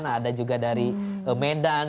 ada juga dari medan